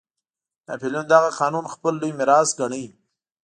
ناپلیون دغه قانون خپل لوی میراث ګاڼه.